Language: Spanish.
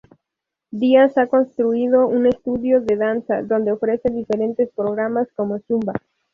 Díaz ha construido un estudio de danza donde ofrece diferentes programas como Zumba.